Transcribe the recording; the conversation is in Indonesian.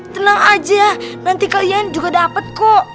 tenang aja nanti kalian juga dapat kok